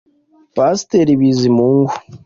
Pasteur Bizimungu